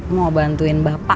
mau bantuin bapak